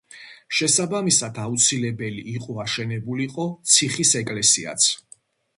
შესაბამისად აუცილებელი იყო აშენებულიყო ციხის ეკლესიაც.